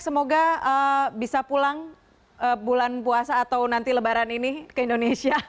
semoga bisa pulang bulan puasa atau nanti lebaran ini ke indonesia